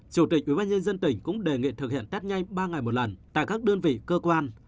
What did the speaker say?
chủ tịch ubnd tỉnh cũng đề nghị thực hiện test nhanh ba ngày một lần tại các đơn vị cơ quan